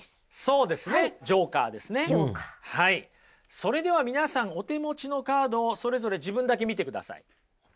それでは皆さんお手持ちのカードをそれぞれ自分だけ見てください。